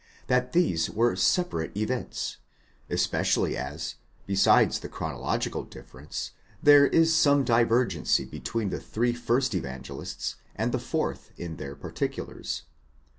that these were separate events, especially as, besides the chronological difference, there is some divergency between the three first Evangelists and the fourth in their particulars.